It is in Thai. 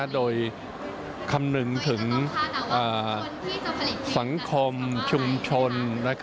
โดยคำนึงถึงสังคมชุมชน